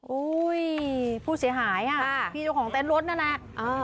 อุ้ยผู้เสียหายอ่ะพี่เจ้าของเต้นรถนั่นแหละอ่า